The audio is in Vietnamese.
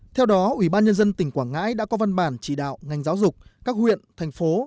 theo đó ubnd tỉnh quảng ngãi đã có văn bản chỉ đạo ngành giáo dục các huyện thành phố